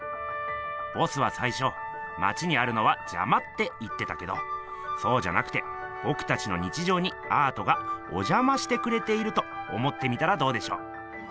ボスは最初まちにあるのはじゃまって言ってたけどそうじゃなくてぼくたちの日常にアートがおじゃましてくれていると思ってみたらどうでしょう？